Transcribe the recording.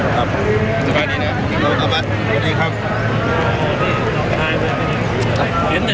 เห็นแต่ในทีวีหึ